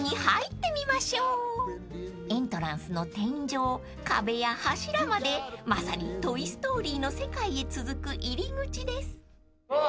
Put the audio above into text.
［エントランスの天井壁や柱までまさに『トイ・ストーリー』の世界へ続く入り口です］